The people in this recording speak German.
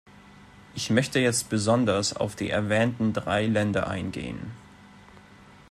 Ich möchte jetzt besonders auf die erwähnten drei Länder eingehen.